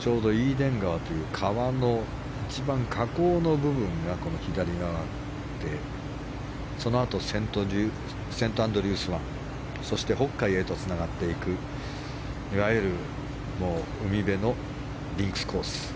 ちょうどイーデン川という川の一番河口の部分がこの左側で、そのあとセントアンドリュース湾そして北海へとつながっていくいわゆる海辺のリンクスコース。